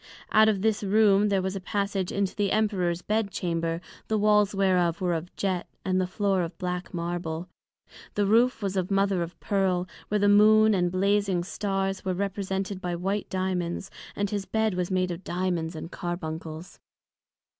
Out of this Room there was a passage into the Emperor's Bed Chamber, the Walls whereof were of Jet, and the Floor of black Marble; the Roof was of Mother of Pearl, where the Moon and Blazing Stars were represented by white Diamonds, and his Bed was made of Diamonds and Carbuncles.